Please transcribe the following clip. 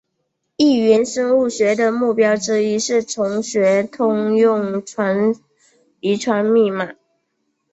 异源生物学的目标之一是重写通用遗传密码。